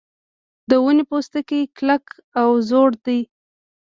د ونې پوستکی کلک او زوړ دی.